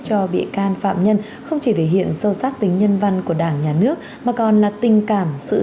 cho bị can phạm nhân không chỉ thể hiện sâu sắc tính nhân văn của đảng nhà nước mà còn là tình cảm sự